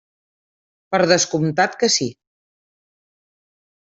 Per descomptat que sí.